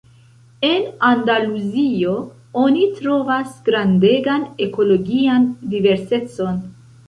En Andaluzio, oni trovas grandegan ekologian diversecon.